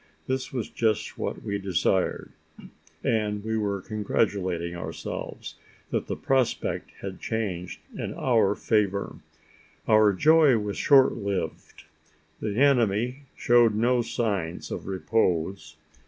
This was just what we desired; and we were congratulating ourselves that the prospect had changed in our favour. Our joy was short lived: the enemy showed no signs of repose.